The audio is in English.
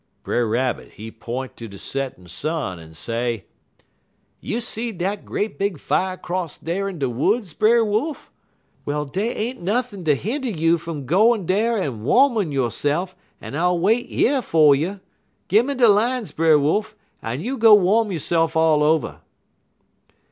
"Brer Rabbit, he p'int ter de settin' sun en say: "'You see dat great big fier 'cross dar in de woods, Brer Wolf? Well, dey ain't nothin' ter hender you fum gwine dar en wommin' yo'se'f en I'll wait yer fer you. Gimme de lines, Brer Wolf, en you go wom yo'se'f all over.'